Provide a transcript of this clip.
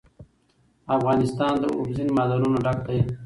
افغانستان له اوبزین معدنونه ډک دی.